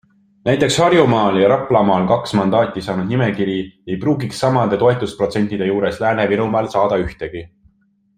Näiteks Harjumaal ja Raplamaal kaks mandaati saanud nimekiri ei pruugiks samade toetusprotsentide juures Lääne-Virumaal saada ühtegi.